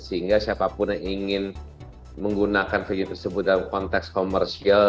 sehingga siapapun yang ingin menggunakan video tersebut dalam konteks komersial